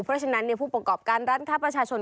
เพราะฉะนั้นผู้ประกอบการร้านค้าประชาชน